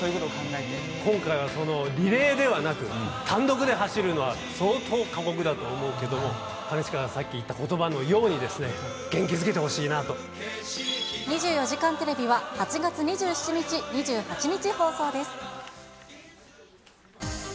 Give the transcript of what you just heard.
今回はその、リレーではなく、単独で走るのは相当、過酷だと思うけども、兼近がさっき言ったことばのように、元気づ２４時間テレビは、８月２７時刻は６時７分。